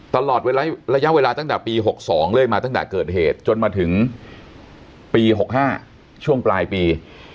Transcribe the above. ตลอดระยะเวลาตั้งแต่ปี๖๒เรื่อยมาตั้งแต่เกิดเหตุจนมาถึงปี๖๕ช่วงปลายปี